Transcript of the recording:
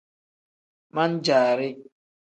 Man-jaari.